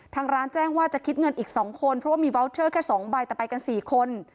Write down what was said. ทางร้านแจ้งว่าจะคิดเงินอีก๒คนเพราะว่ามีวาวเทอร์แค่๒ใบแต่ไปกัน๔คน